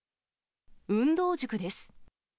運動塾です。